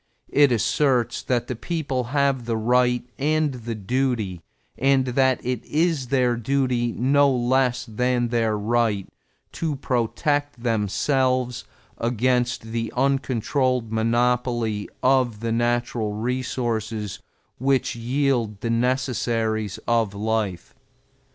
It asserts that the people have the right and the duty, and that it is their duty no less than their right, to protect themselves against the uncontrolled monopoly of the natural resources which yield the necessaries of life.